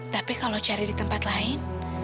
tapi kalau cari di tempat lain